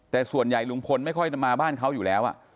แต่ส่วนใหญ่ลุงพลไม่ค่อยมาบ้านเขาอยู่แล้ว